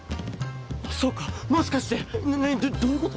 そうかもしかしてえ何どういうこと？